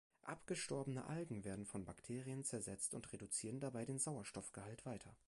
Abgestorbene Algen werden von Bakterien zersetzt und reduzieren dabei den Sauerstoffgehalt weiter.